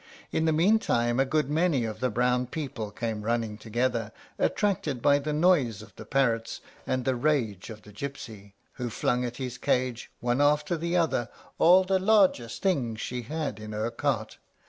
In the mean time a good many of the brown people came running together, attracted by the noise of the parrots and the rage of the gypsy, who flung at his cage, one after the other, all the largest things she had in her cart.